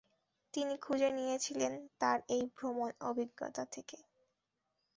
তিনি খুঁজে নিয়েছিলেন তার এই ভ্রমণ অভিজ্ঞতা থেকে।